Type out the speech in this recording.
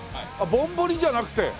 ぼんぼりじゃなくて？